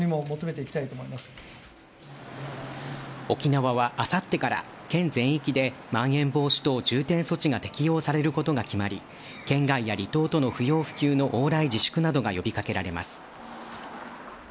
沖縄はあさってから県全域でまん延防止等重点措置が適用されることが決まり県外や離島との不要不急の往来自粛などが呼びかけられます。